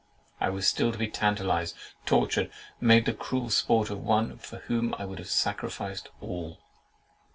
I was still to be tantalized, tortured, made the cruel sport of one, for whom I would have sacrificed all.